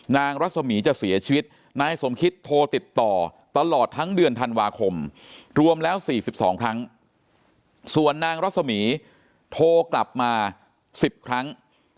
รัศมีร์จะเสียชีวิตนายสมคิตโทรติดต่อตลอดทั้งเดือนธันวาคมรวมแล้ว๔๒ครั้งส่วนนางรัศมีโทรกลับมา๑๐ครั้ง